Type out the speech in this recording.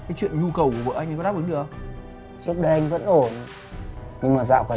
những tiếng rừng còt kẹt lặp lại liên hồi